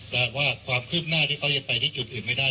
แต่ว่าความคืบหน้าที่เขายังไปที่จุดอื่นไม่ได้